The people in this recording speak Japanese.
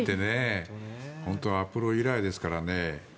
本当にアポロ以来ですからね。